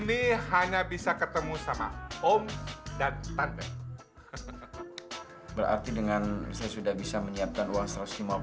eh kenapa kau nyuruh nyuruh awak nih